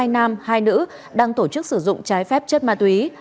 hai nam hai nữ đang tổ chức sử dụng trái phép chất ma túy